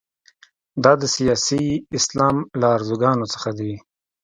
دا د سیاسي اسلام له ارزوګانو څخه دي.